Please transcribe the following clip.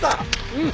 うん。